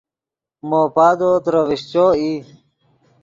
مو پادو ترے ڤیشچو ای